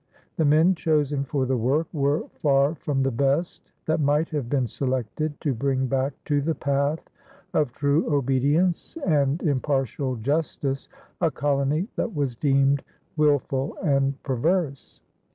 The men chosen for the work were far from the best that might have been selected to bring back to the path of true obedience and impartial justice a colony that was deemed wilful and perverse.